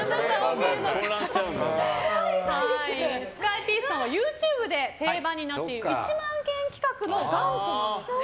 スカイピースさんはＹｏｕＴｕｂｅで定番になっている１万円企画の元祖なんですね。